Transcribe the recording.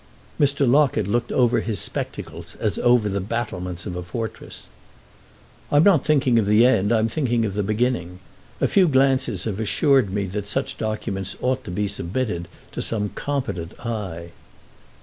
Mr. Locket looked over his spectacles as over the battlements of a fortress. "I'm not thinking of the end—I'm thinking of the beginning. A few glances have assured me that such documents ought to be submitted to some competent eye."